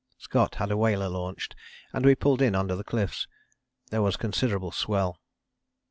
Scott had a whaler launched, and we pulled in under the cliffs. There was a considerable swell.